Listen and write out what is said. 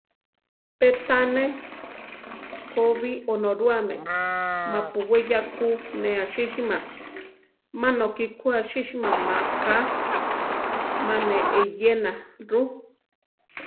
Pe tané ko bi Onorúame ma-pu we ya ku ne asísima; má nokí ku asísima maká: má ne eyéna ru.